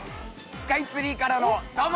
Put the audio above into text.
スカイツリーからのどうも！